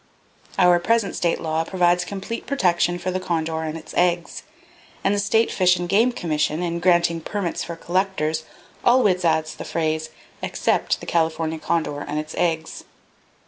"Our present state law provides complete protection for the condor and its eggs; and the State Fish and Game Commission, in granting permits for collectors, always adds the phrase—'except the California condor and its eggs.'